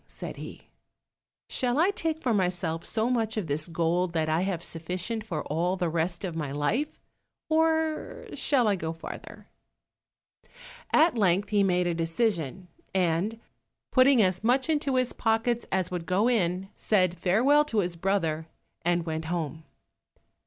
said he; "shall I take for myself so much of this gold, that I have sufficient for all the rest of my life, or shall I go farther?" At length he made a decision, and putting as much into his pockets as would go in, said farewell to his brother, and went home.